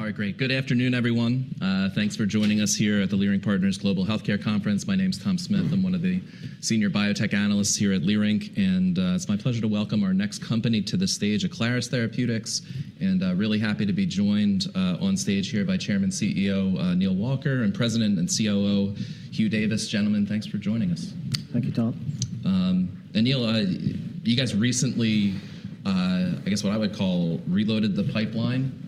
All right, great. Good afternoon, everyone. Thanks for joining us here at the Leerink Partners Global Healthcare Conference. My name's Tom Smith. I'm one of the senior biotech analysts here at Leerink. It's my pleasure to welcome our next company to the stage, Aclaris Therapeutics. Really happy to be joined on stage here by Chairman and CEO Neal Walker and President and COO Hugh Davis. Gentlemen, thanks for joining us. Thank you, Tom. Neal, you guys recently, I guess what I would call, reloaded the pipeline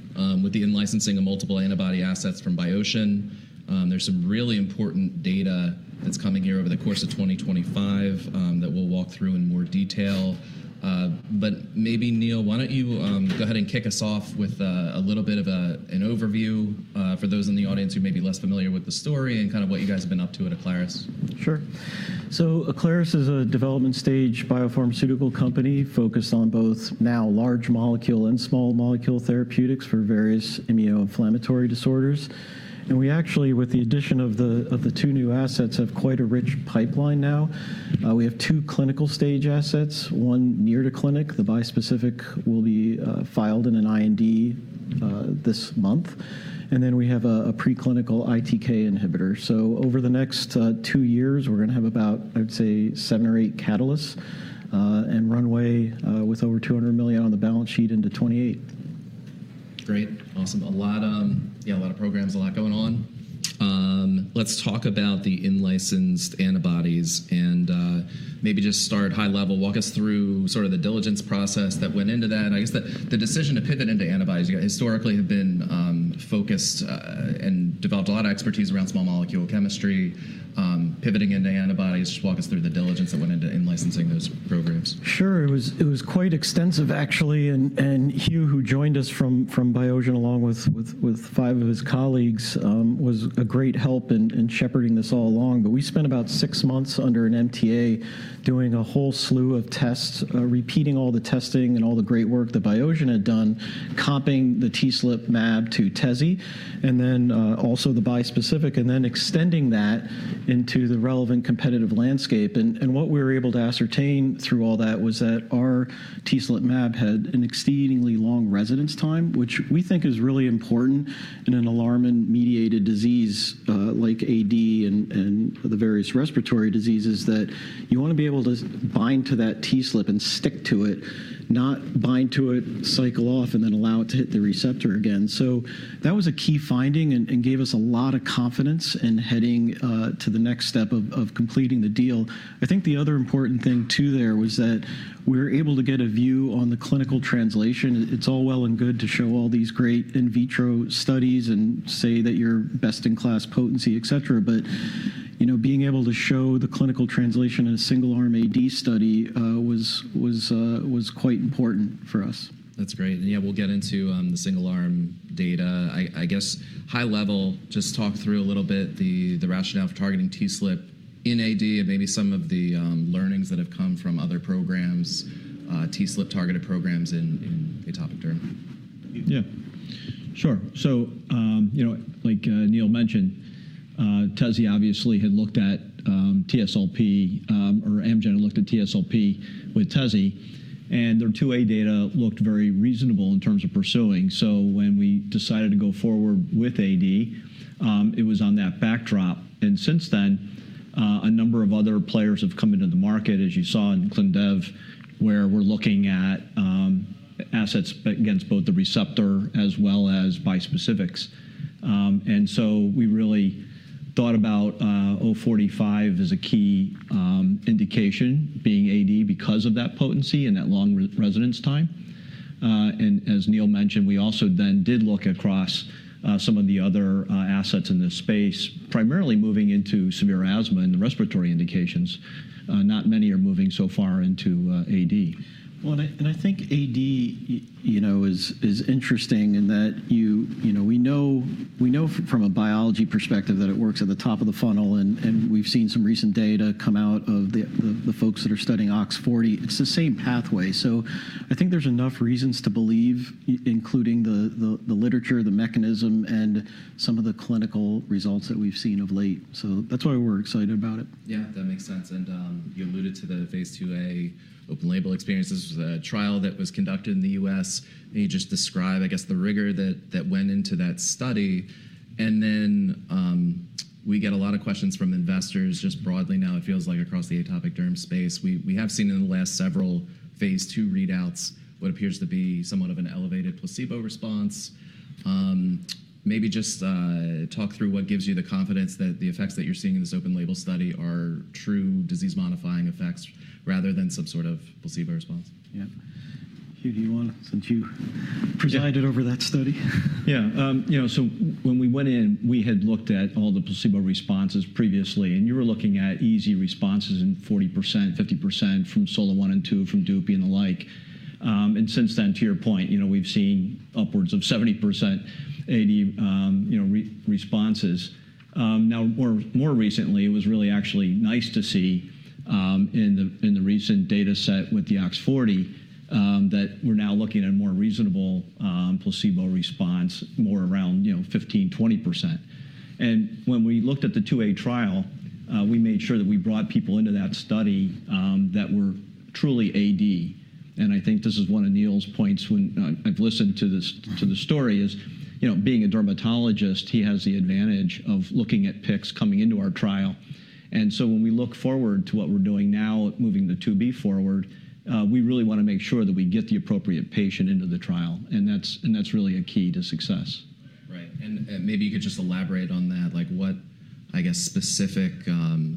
with the in-licensing of multiple antibody assets from Biosion. There's some really important data that's coming here over the course of 2025 that we'll walk through in more detail. Maybe, Neal, why don't you go ahead and kick us off with a little bit of an overview for those in the audience who may be less familiar with the story and kind of what you guys have been up to at Aclaris. Sure. Aclaris is a development stage biopharmaceutical company focused on both now large-molecule and small-molecule therapeutics for various immunoinflammatory disorders. We actually, with the addition of the two new assets, have quite a rich pipeline now. We have two clinical stage assets, one near to clinic. The bispecific will be filed in an IND this month. We have a preclinical ITK inhibitor. Over the next two years, we're going to have about, I would say, seven or eight catalysts and runway with over $200 million on the balance sheet into 2028. Great. Awesome. A lot of programs, a lot going on. Let's talk about the in-licensed antibodies. Maybe just start high level, walk us through sort of the diligence process that went into that. I guess the decision to pivot into antibodies, you guys historically have been focused and developed a lot of expertise around small molecule chemistry, pivoting into antibodies. Just walk us through the diligence that went into in-licensing those programs. Sure. It was quite extensive, actually. Hugh, who joined us from Biosion along with five of his colleagues, was a great help in shepherding this all along. We spent about six months under an MTA doing a whole slew of tests, repeating all the testing and all the great work that Biosion had done, copying the TSLP mAb to TEZSPIRE, and then also the bispecific, and then extending that into the relevant competitive landscape. What we were able to ascertain through all that was that our TSLP mAb had an exceedingly long residence time, which we think is really important in an alarmin-mediated disease like AD and the various respiratory diseases, that you want to be able to bind to that TSLP and stick to it, not bind to it, cycle off, and then allow it to hit the receptor again. That was a key finding and gave us a lot of confidence in heading to the next step of completing the deal. I think the other important thing too there was that we were able to get a view on the clinical translation. It's all well and good to show all these great in vitro studies and say that you're best in class potency, etc. Being able to show the clinical translation in a single-arm AD study was quite important for us. That's great. Yeah, we'll get into the single-arm data. I guess high level, just talk through a little bit the rationale for targeting TSLP in AD and maybe some of the learnings that have come from other programs, TSLP-targeted programs in atopic derm? Yeah. Sure. Like Neal mentioned, TEZSPIRE obviously had looked at TSLP or Amgen had looked at TSLP with TEZSPIRE. Their phase 2a data looked very reasonable in terms of pursuing. When we decided to go forward with AD, it was on that backdrop. Since then, a number of other players have come into the market, as you saw in ClinDev, where we're looking at assets against both the receptor as well as bispecifics. We really thought about ATI-045 as a key indication being AD because of that potency and that long residence time. As Neal mentioned, we also then did look across some of the other assets in this space, primarily moving into severe asthma and the respiratory indications. Not many are moving so far into AD. I think AD is interesting in that we know from a biology perspective that it works at the top of the funnel. We've seen some recent data come out of the folks that are studying OX40. It's the same pathway. I think there's enough reasons to believe, including the literature, the mechanism, and some of the clinical results that we've seen of late. That's why we're excited about it. Yeah, that makes sense. You alluded to the phase 2a open label experiences. This was a trial that was conducted in the U.S. Can you just describe, I guess, the rigor that went into that study? We get a lot of questions from investors just broadly now, it feels like, across the atopic derm space. We have seen in the last several phase 2 readouts what appears to be somewhat of an elevated placebo response. Maybe just talk through what gives you the confidence that the effects that you're seeing in this open label study are true disease-modifying effects rather than some sort of placebo response. Yeah. Hugh, do you want to, since you presided over that study? Yeah. When we went in, we had looked at all the placebo responses previously. You were looking at EASI responses in 40%, 50% from SOLO-1 and 2, from DUPIXENT and the like. Since then, to your point, we've seen upwards of 70%, 80% responses. More recently, it was actually nice to see in the recent data set with the OX40 that we're now looking at a more reasonable placebo response, more around 15%-20%. When we looked at the 2a trial, we made sure that we brought people into that study that were truly AD. I think this is one of Neal's points when I've listened to the story, is being a dermatologist, he has the advantage of looking at pics coming into our trial. When we look forward to what we're doing now, moving the 2b forward, we really want to make sure that we get the appropriate patient into the trial. That's really a key to success. Right. Maybe you could just elaborate on that. What, I guess, specific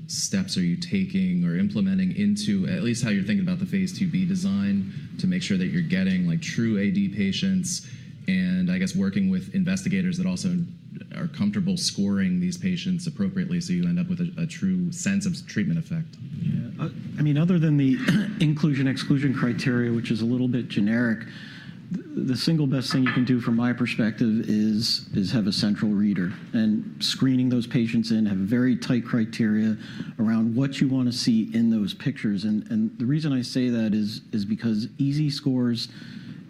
steps are you taking or implementing into, at least how you're thinking about the phase 2b design to make sure that you're getting true AD patients and, I guess, working with investigators that also are comfortable scoring these patients appropriately so you end up with a true sense of treatment effect? Yeah. I mean, other than the inclusion-exclusion criteria, which is a little bit generic, the single best thing you can do from my perspective is have a central reader and screening those patients in, have very tight criteria around what you want to see in those pictures. The reason I say that is because EASI scores,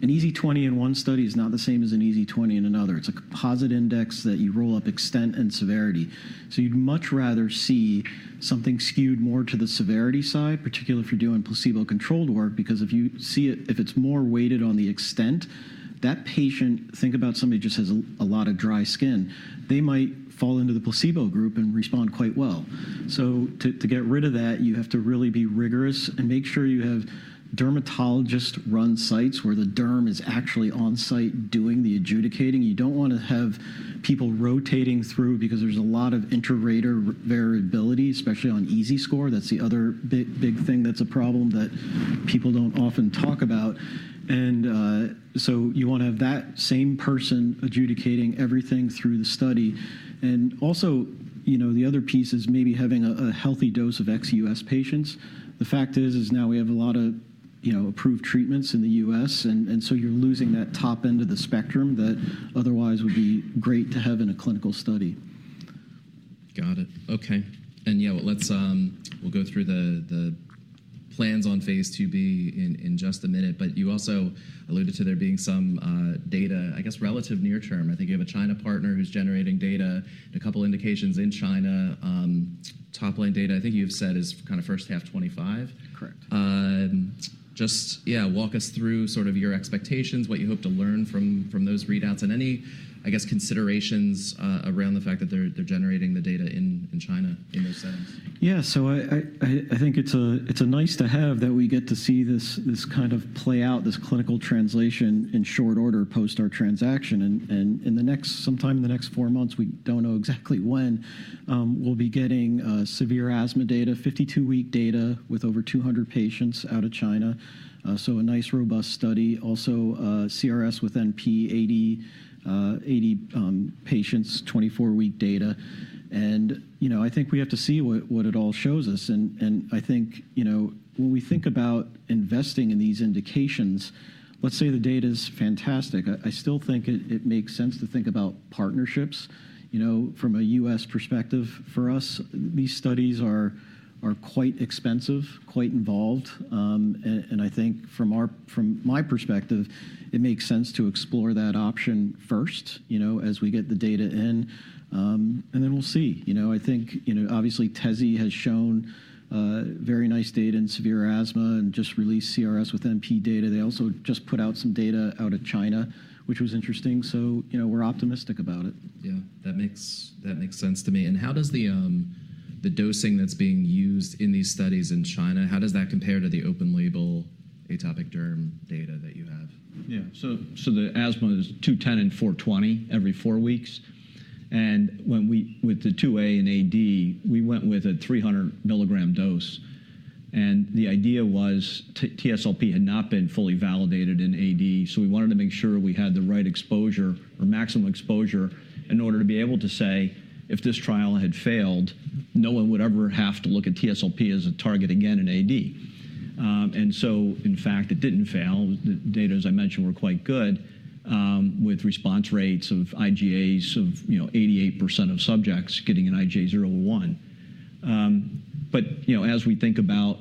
an EASI 20 in one study is not the same as an EASI 20 in another. It's a composite index that you roll up extent and severity. You'd much rather see something skewed more to the severity side, particularly if you're doing placebo-controlled work, because if you see it, if it's more weighted on the extent, that patient, think about somebody who just has a lot of dry skin, they might fall into the placebo group and respond quite well. To get rid of that, you have to really be rigorous and make sure you have dermatologist-run sites where the derm is actually on site doing the adjudicating. You do not want to have people rotating through because there is a lot of inter-rater variability, especially on EASI score. That is the other big thing that is a problem that people do not often talk about. You want to have that same person adjudicating everything through the study. Also, the other piece is maybe having a healthy dose of ex-U.S. patients. The fact is, now we have a lot of approved treatments in the U.S., and you are losing that top end of the spectrum that otherwise would be great to have in a clinical study. Got it. Ok. Yeah, we'll go through the plans on phase 2b in just a minute. You also alluded to there being some data, I guess, relative near term. I think you have a China partner who's generating data in a couple of indications in China. Top line data, I think you've said is kind of first half 2025. Correct. Just, yeah, walk us through sort of your expectations, what you hope to learn from those readouts, and any, I guess, considerations around the fact that they're generating the data in China in those settings. Yeah. I think it's nice to have that we get to see this kind of play out, this clinical translation in short order post our transaction. Sometime in the next four months, we don't know exactly when, we'll be getting severe asthma data, 52-week data with over 200 patients out of China. A nice robust study. Also, CRSwNP patients, 24-week data. I think we have to see what it all shows us. I think when we think about investing in these indications, let's say the data is fantastic, I still think it makes sense to think about partnerships. From a U.S. perspective, for us, these studies are quite expensive, quite involved. I think from my perspective, it makes sense to explore that option first as we get the data in. Then we'll see. I think obviously TEZSPIRE has shown very nice data in severe asthma and just released CRSwNP data. They also just put out some data out of China, which was interesting. We are optimistic about it. Yeah. That makes sense to me. How does the dosing that's being used in these studies in China, how does that compare to the open label atopic derm data that you have? Yeah. The asthma is 210 and 420 every four weeks. With the 2a in AD, we went with a 300 mg dose. The idea was TSLP had not been fully validated in AD. We wanted to make sure we had the right exposure or maximum exposure in order to be able to say if this trial had failed, no one would ever have to look at TSLP as a target again in AD. In fact, it did not fail. The data, as I mentioned, were quite good with response rates of IGAs of 88% of subjects getting an IGA 0/1. As we think about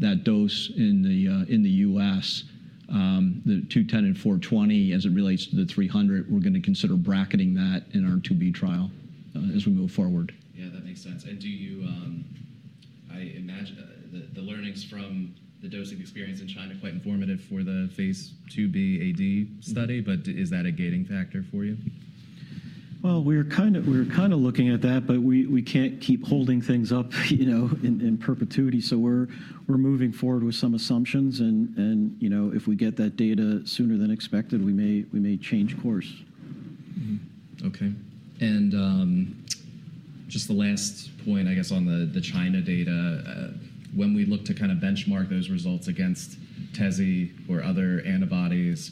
that dose in the U.S., the 210 and 420 as it relates to the 300, we are going to consider bracketing that in our 2b trial as we move forward. Yeah, that makes sense. I imagine the learnings from the dosing experience in China are quite informative for the phase 2b AD study. Is that a gating factor for you? We're kind of looking at that. We can't keep holding things up in perpetuity. We're moving forward with some assumptions. If we get that data sooner than expected, we may change course. Ok. Just the last point, I guess, on the China data, when we look to kind of benchmark those results against TEZSPIRE or other antibodies,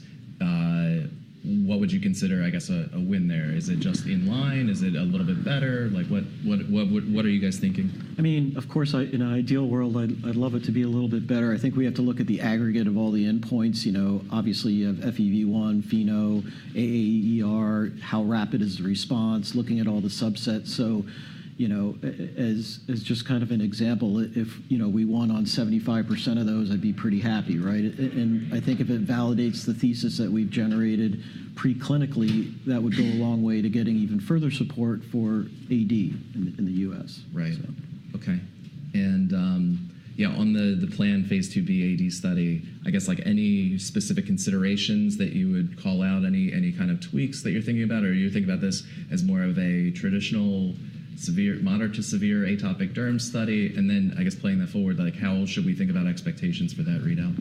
what would you consider, I guess, a win there? Is it just in line? Is it a little bit better? What are you guys thinking? I mean, of course, in an ideal world, I'd love it to be a little bit better. I think we have to look at the aggregate of all the endpoints. Obviously, you have FEV1, FeNO, AAER, how rapid is the response, looking at all the subsets. As just kind of an example, if we won on 75% of those, I'd be pretty happy. I think if it validates the thesis that we've generated preclinically, that would go a long way to getting even further support for AD in the U.S. Right. Ok. And yeah, on the planned phase 2b AD study, I guess any specific considerations that you would call out, any kind of tweaks that you're thinking about? Or are you thinking about this as more of a traditional moderate to severe atopic derm study? I guess, playing that forward, how should we think about expectations for that readout?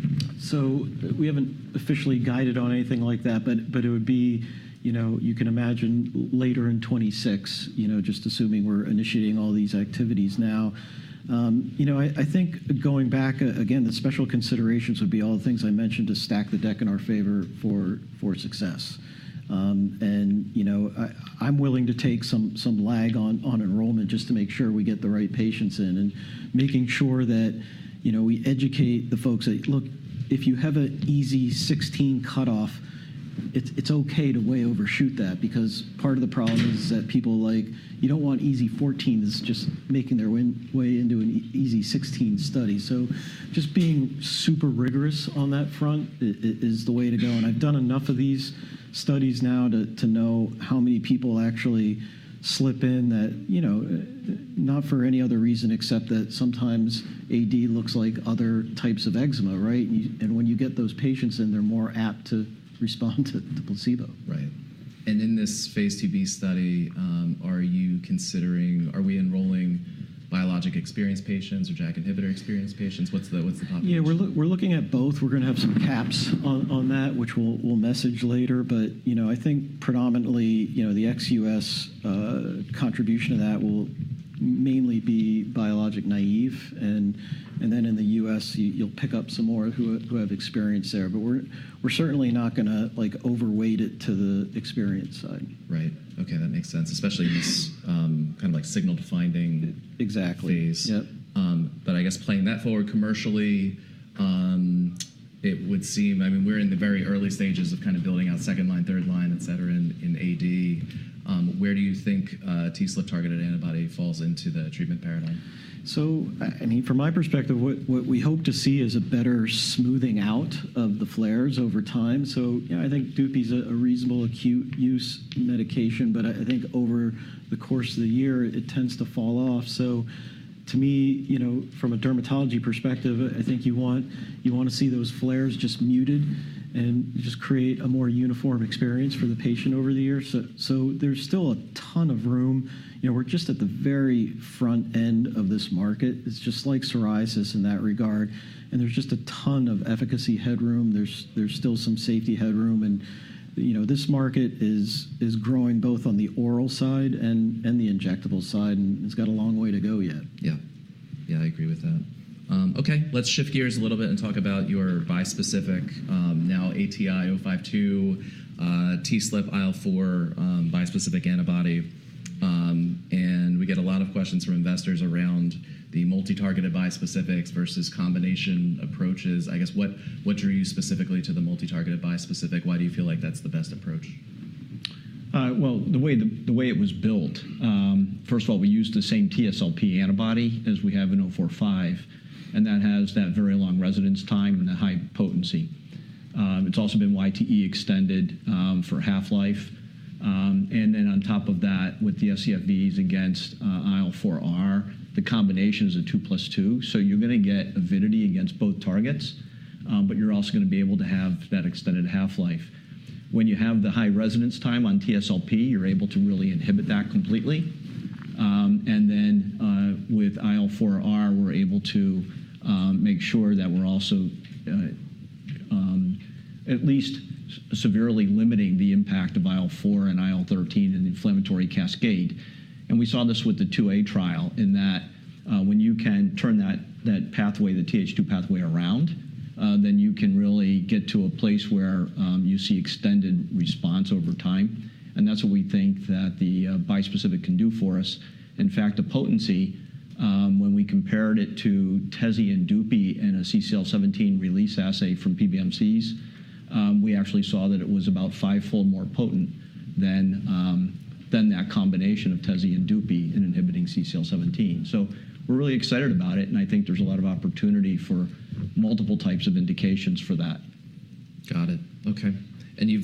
We have not officially guided on anything like that. It would be, you can imagine, later in 2026, just assuming we are initiating all these activities now. I think going back, again, the special considerations would be all the things I mentioned to stack the deck in our favor for success. I am willing to take some lag on enrollment just to make sure we get the right patients in and making sure that we educate the folks that, look, if you have an EASI 16 cutoff, it is OK to way overshoot that. Because part of the problem is that people are like, you do not want EASI 14 that is just making their way into an EASI 16 study. Just being super rigorous on that front is the way to go. I've done enough of these studies now to know how many people actually slip in that, not for any other reason except that sometimes AD looks like other types of eczema. When you get those patients in, they're more apt to respond to placebo. Right. In this phase 2b study, are you considering, are we enrolling biologic experience patients or JAK inhibitor experience patients? What's the population? Yeah. We're looking at both. We're going to have some caps on that, which we'll message later. I think predominantly the ex-U.S. contribution to that will mainly be biologic naive. In the U.S., you'll pick up some more who have experience there. We're certainly not going to overweight it to the experience side. Right. Ok. That makes sense, especially in this kind of signal to finding phase. Exactly. Yep. I guess playing that forward commercially, it would seem, I mean, we're in the very early stages of kind of building out second line, third line, etc., in AD. Where do you think TSLP-targeted antibody falls into the treatment paradigm? I mean, from my perspective, what we hope to see is a better smoothing out of the flares over time. I think DUPIXENT is a reasonable acute use medication. I think over the course of the year, it tends to fall off. To me, from a dermatology perspective, I think you want to see those flares just muted and just create a more uniform experience for the patient over the years. There is still a ton of room. We are just at the very front end of this market. It is just like psoriasis in that regard. There is just a ton of efficacy headroom. There is still some safety headroom. This market is growing both on the oral side and the injectable side. It has a long way to go yet. Yeah. Yeah, I agree with that. OK. Let's shift gears a little bit and talk about your bispecific, now ATI-052, TSLP IL-4R bispecific antibody. And we get a lot of questions from investors around the multi-targeted bispecifics versus combination approaches. I guess, what drew you specifically to the multi-targeted bispecific? Why do you feel like that's the best approach? The way it was built, first of all, we used the same TSLP antibody as we have in 045. That has that very long residence time and the high potency. It's also been YTE extended for half-life. On top of that, with the scFvs against IL-4R, the combination is a 2+2. You're going to get avidity against both targets. You're also going to be able to have that extended half-life. When you have the high residence time on TSLP, you're able to really inhibit that completely. With IL-4R, we're able to make sure that we're also at least severely limiting the impact of IL-4 and IL-13 and the inflammatory cascade. We saw this with the 2a trial in that when you can turn that pathway, the Th2 pathway, around, you can really get to a place where you see extended response over time. That is what we think the bispecific can do for us. In fact, the potency, when we compared it to TEZSPIRE and DUPIXENT in a CCL17 release assay from PBMCs, we actually saw that it was about five-fold more potent than that combination of TEZSPIRE and DUPIXENT in inhibiting CCL17. We are really excited about it. I think there is a lot of opportunity for multiple types of indications for that. Got it. Ok. And you've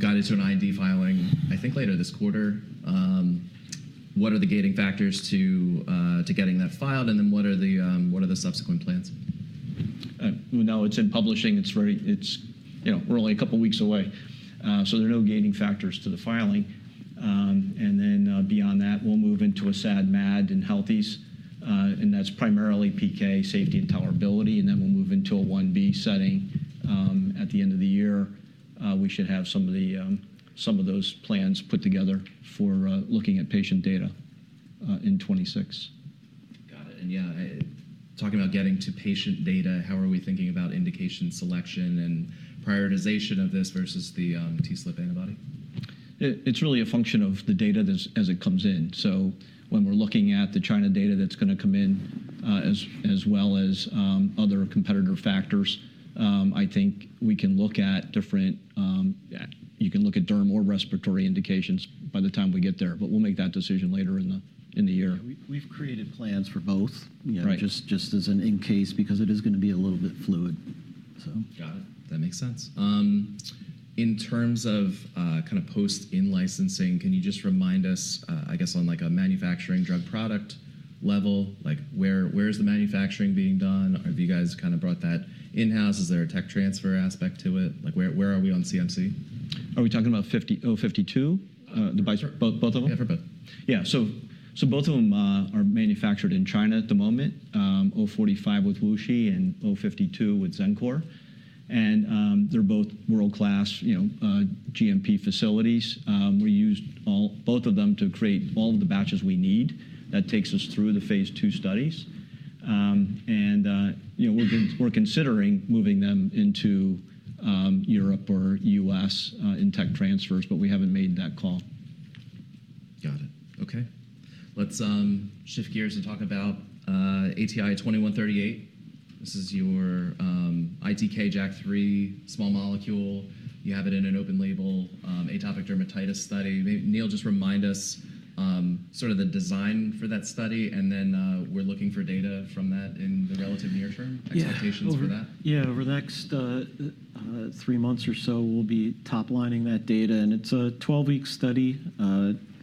got it to an IND filing, I think, later this quarter. What are the gating factors to getting that filed? And then what are the subsequent plans? Now it's in publishing. We're only a couple of weeks away. There are no gating factors to the filing. Beyond that, we'll move into a SAD/MAD in healthies. That's primarily PK, safety and tolerability. We'll move into a 1b setting. At the end of the year, we should have some of those plans put together for looking at patient data in 2026. Got it. Yeah, talking about getting to patient data, how are we thinking about indication selection and prioritization of this versus the TSLP antibody? It's really a function of the data as it comes in. When we're looking at the China data that's going to come in, as well as other competitor factors, I think you can look at derm or respiratory indications by the time we get there. We'll make that decision later in the year. We've created plans for both just as an in case because it is going to be a little bit fluid. Got it. That makes sense. In terms of kind of post-in licensing, can you just remind us, I guess, on a manufacturing drug product level, where is the manufacturing being done? Have you guys kind of brought that in-house? Is there a tech transfer aspect to it? Where are we on CMC? Are we talking about 052, both of them? Yeah, for both. Yeah. Both of them are manufactured in China at the moment, 045 with WuXi and 052 with Xencor. They're both world-class GMP facilities. We used both of them to create all of the batches we need. That takes us through the phase two studies. We're considering moving them into Europe or the U.S. in tech transfers. We haven't made that call. Got it. Ok. Let's shift gears and talk about ATI-2138. This is your ITK/JAK3 small molecule. You have it in an open-label atopic dermatitis study. Neal, just remind us sort of the design for that study. Then we're looking for data from that in the relative near term. Expectations for that? Yeah. Over the next three months or so, we'll be toplining that data. It's a 12-week study,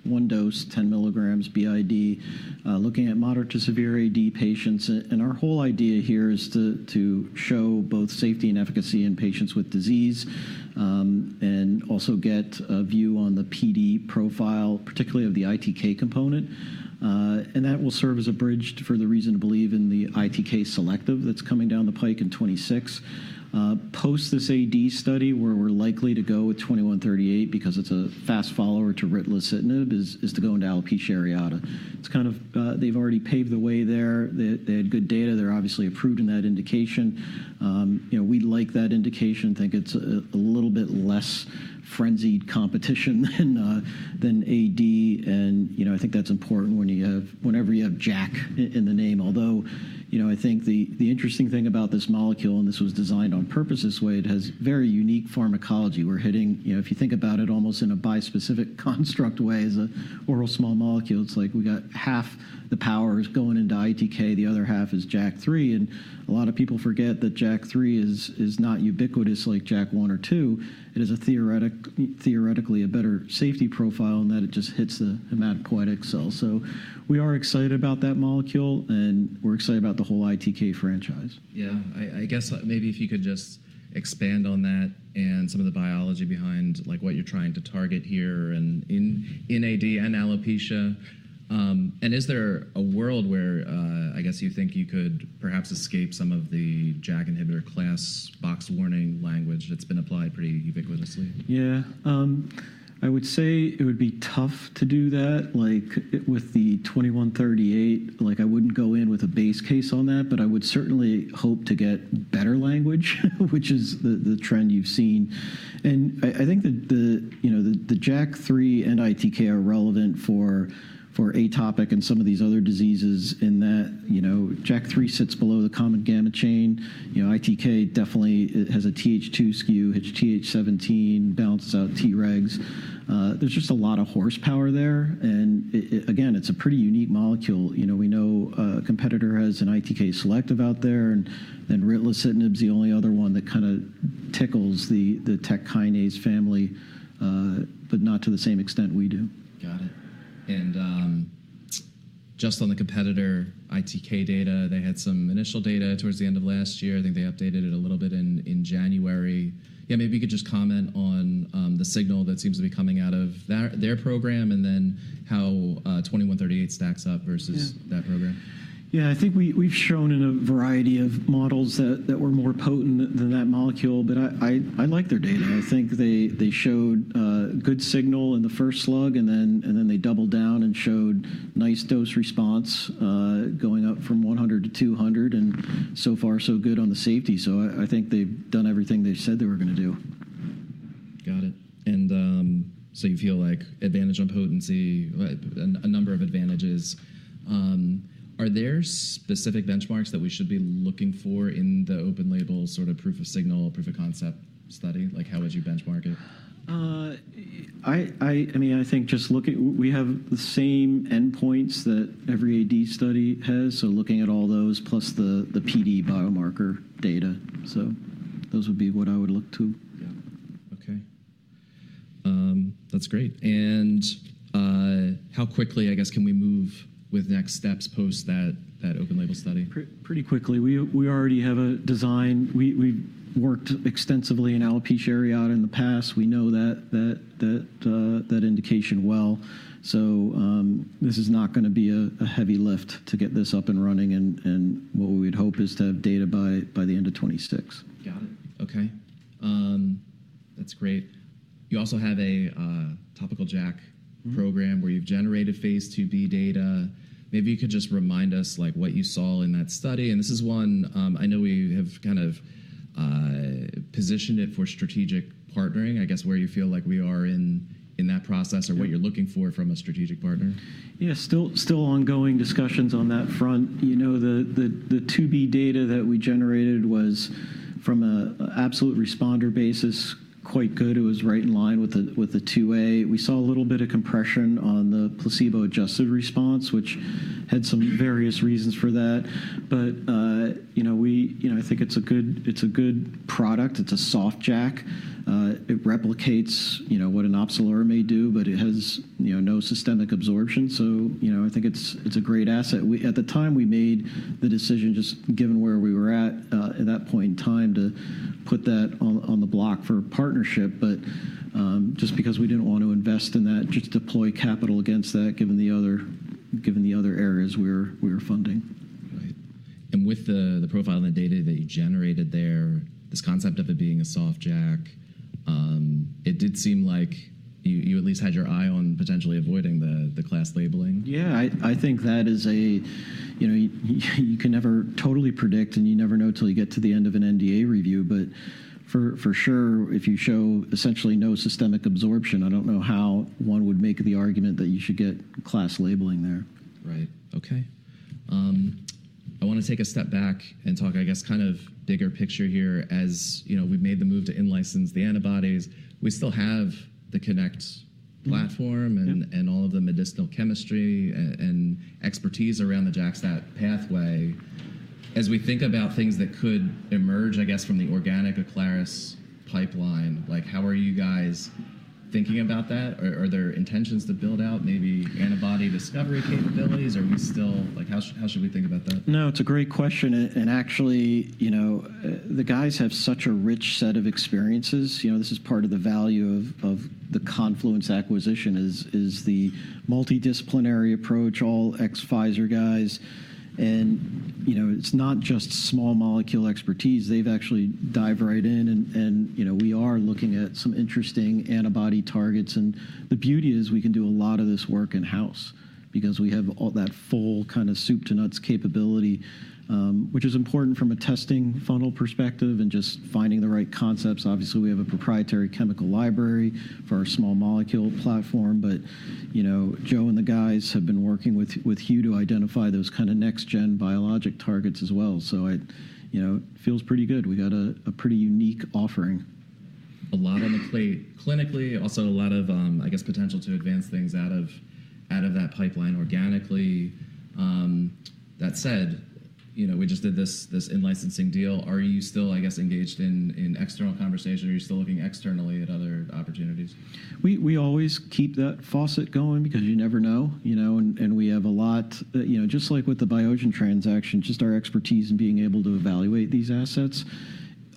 one dose, 10 milligrams b.i.d., looking at moderate to severe AD patients. Our whole idea here is to show both safety and efficacy in patients with disease and also get a view on the PD profile, particularly of the ITK component. That will serve as a bridge for the reason to believe in the ITK selective that's coming down the pike in 2026. Post this AD study, where we're likely to go with 2138 because it's a fast follower to ritlecitinib, is to go into alopecia areata. It's kind of they've already paved the way there. They had good data. They're obviously approved in that indication. We like that indication. I think it's a little bit less frenzied competition than AD. I think that's important whenever you have JAK in the name. Although I think the interesting thing about this molecule, and this was designed on purpose this way, it has very unique pharmacology. If you think about it almost in a bispecific construct way as an oral small molecule, it's like we've got half the powers going into ITK. The other half is JAK3. A lot of people forget that JAK3 is not ubiquitous like JAK1 or 2. It is theoretically a better safety profile in that it just hits the hematopoietic cell. We are excited about that molecule. We're excited about the whole ITK franchise. Yeah. I guess maybe if you could just expand on that and some of the biology behind what you're trying to target here in AD and alopecia. Is there a world where I guess you think you could perhaps escape some of the JAK inhibitor class box warning language that's been applied pretty ubiquitously? Yeah. I would say it would be tough to do that with the 2138. I wouldn't go in with a base case on that. I would certainly hope to get better language, which is the trend you've seen. I think that the JAK3 and ITK are relevant for atopic and some of these other diseases in that JAK3 sits below the common gamma chain. ITK definitely has a Th2 skew, hits Th17, bounces out Tregs. There's just a lot of horsepower there. Again, it's a pretty unique molecule. We know a competitor has an ITK selective out there. Ritlecitinib is the only other one that kind of tickles the TEC kinase family, but not to the same extent we do. Got it. Just on the competitor ITK data, they had some initial data towards the end of last year. I think they updated it a little bit in January. Yeah, maybe you could just comment on the signal that seems to be coming out of their program and then how 2138 stacks up versus that program. Yeah. I think we've shown in a variety of models that we're more potent than that molecule. I like their data. I think they showed good signal in the first slug. They doubled down and showed nice dose response going up from 100-200. So far, so good on the safety. I think they've done everything they said they were going to do. Got it. You feel like advantage on potency, a number of advantages. Are there specific benchmarks that we should be looking for in the open-label sort of proof of signal, proof of concept study? How would you benchmark it? I mean, I think just looking we have the same endpoints that every AD study has. Looking at all those plus the PD biomarker data. Those would be what I would look to. Yeah. Ok. That's great. How quickly, I guess, can we move with next steps post that open-label study? Pretty quickly. We already have a design. We worked extensively in alopecia areata in the past. We know that indication well. This is not going to be a heavy lift to get this up and running. What we would hope is to have data by the end of 2026. Got it. Ok. That's great. You also have a topical JAK program where you've generated phase 2b data. Maybe you could just remind us what you saw in that study. This is one I know we have kind of positioned it for strategic partnering, I guess, where you feel like we are in that process or what you're looking for from a strategic partner. Yeah. Still ongoing discussions on that front. The 2b data that we generated was, from an absolute responder basis, quite good. It was right in line with the 2a. We saw a little bit of compression on the placebo-adjusted response, which had some various reasons for that. I think it's a good product. It's a soft JAK. It replicates what an OPZELURA may do. It has no systemic absorption. I think it's a great asset. At the time, we made the decision, just given where we were at at that point in time, to put that on the block for partnership. Just because we did not want to invest in that, just deploy capital against that, given the other areas we were funding. Right. With the profile and the data that you generated there, this concept of it being a soft JAK, it did seem like you at least had your eye on potentially avoiding the class labeling. Yeah. I think that is a you can never totally predict. You never know until you get to the end of an NDA review. For sure, if you show essentially no systemic absorption, I do not know how one would make the argument that you should get class labeling there. Right. Ok. I want to take a step back and talk, I guess, kind of bigger picture here. As we've made the move to in-license the antibodies, we still have the KINect platform and all of the medicinal chemistry and expertise around the JAK-STAT pathway. As we think about things that could emerge, I guess, from the organic Aclaris pipeline, how are you guys thinking about that? Are there intentions to build out maybe antibody discovery capabilities? How should we think about that? No. It's a great question. Actually, the guys have such a rich set of experiences. This is part of the value of the Confluence acquisition, is the multidisciplinary approach, all ex-Pfizer guys. It's not just small molecule expertise. They've actually dived right in. We are looking at some interesting antibody targets. The beauty is we can do a lot of this work in-house because we have all that full kind of soup-to-nuts capability, which is important from a testing funnel perspective and just finding the right concepts. Obviously, we have a proprietary chemical library for our small molecule platform. Joe and the guys have been working with Hugh to identify those kind of next-gen biologic targets as well. It feels pretty good. We've got a pretty unique offering. A lot on the plate clinically, also a lot of, I guess, potential to advance things out of that pipeline organically. That said, we just did this in-licensing deal. Are you still, I guess, engaged in external conversation? Are you still looking externally at other opportunities? We always keep that faucet going because you never know. We have a lot just like with the Biosion transaction, just our expertise in being able to evaluate these assets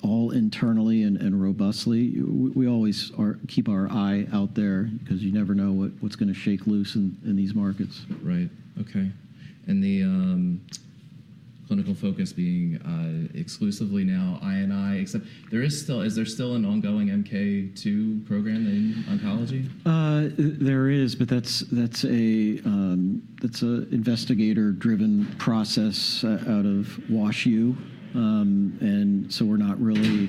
all internally and robustly. We always keep our eye out there because you never know what's going to shake loose in these markets. Right. Ok. The clinical focus being exclusively now I&I, except is there still an ongoing MK2 program in oncology? There is. That is an investigator-driven process out of Washington University. We are not really,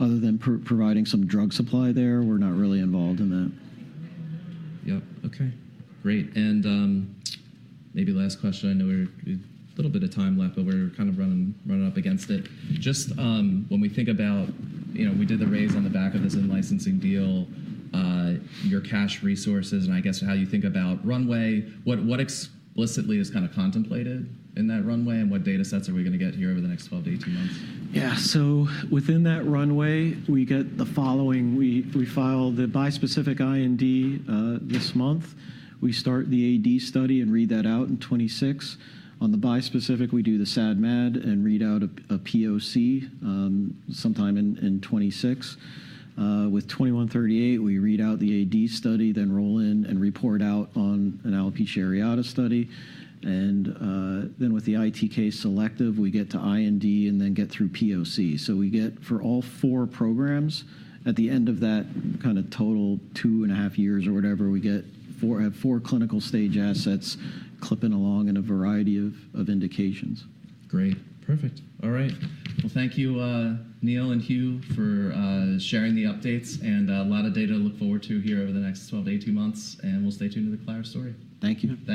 other than providing some drug supply there, we are not really involved in that. Yep. Ok. Great. Maybe last question. I know we have a little bit of time left. We're kind of running up against it. Just when we think about we did the raise on the back of this in-licensing deal, your cash resources, and I guess how you think about runway, what explicitly is kind of contemplated in that runway? What data sets are we going to get here over the next 12-18 months? Yeah. Within that runway, we get the following. We file the bispecific IND this month. We start the AD study and read that out in 2026. On the bispecific, we do the SAD/MAD and read out a POC sometime in 2026. With 2138, we read out the AD study, then roll in and report out on an alopecia areata study. With the ITK selective, we get to IND and then get through POC. We get, for all four programs, at the end of that kind of total two and a half years or whatever, four clinical stage assets clipping along in a variety of indications. Great. Perfect. All right. Thank you, Neal and Hugh, for sharing the updates. A lot of data to look forward to here over the next 12 to 18 months. We'll stay tuned to the Aclaris story. Thank you.